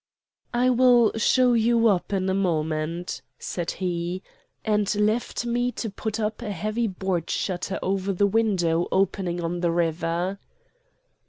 "'I will show you up in a moment,' said he; and left me to put up a heavy board shutter over the window opening on the river.